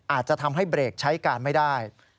อาจจะทำให้เบรกใช้การไม่ได้